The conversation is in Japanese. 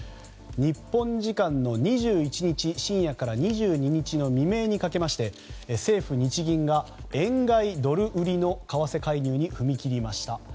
日本時間の２１日深夜から２２日の未明にかけまして政府・日銀が円買いドル売りの為替介入に踏み切りました。